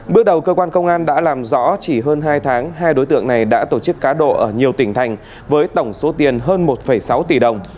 bước đầu cơ quan công an đã làm rõ chỉ hơn hai tháng hai đối tượng này đã tổ chức cá độ ở nhiều tỉnh thành với tổng số tiền hơn một sáu tỷ đồng